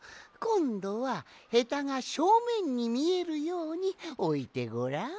こんどはヘタがしょうめんにみえるようにおいてごらん。